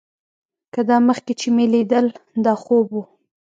که دا مخکې چې مې ليدل دا خوب و.